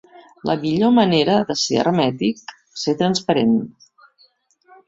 La millor manera de ser hermètic, ser transparent.